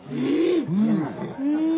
うん！